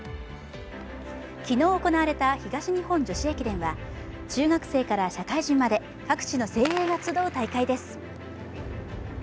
昨日行われた東日本女子駅伝は中学生から社会人まで各地の精鋭が集う大会です。